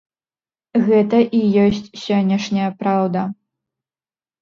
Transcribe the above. Гэта і ёсць сённяшняя праўда.